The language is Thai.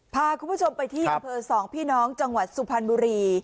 พาคุณผู้ชมไปที่อำเภอสองพี่น้องจังหวัดสุพรรณบุรี